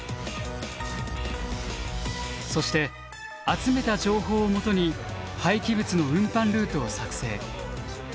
そして集めた情報を基に廃棄物の運搬ルートを作成。